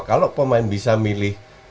kalau pemain bisa milih